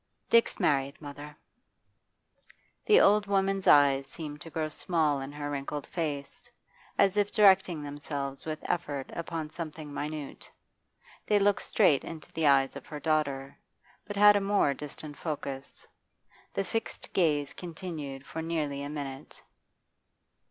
'Dick's married, mother.' The old woman's eyes seemed to grow small in her wrinkled face, as if directing themselves with effort upon something minute. They looked straight into the eyes of her daughter, but had a more distant focus. The fixed gaze continued for nearly a minute.